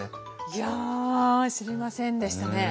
いや知りませんでしたね。